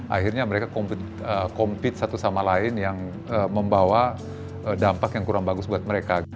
akhirnya mereka compete satu sama lain yang membawa dampak yang kurang bagus buat mereka